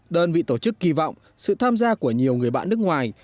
đơn vị tổ chức kỳ vọng sự tham gia của nhiều người bạn nước ngoài